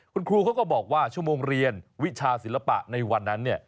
คุณครูเขาก็บอกว่าชั่วโมงเรียนวิชาศิลปะในวันนั้น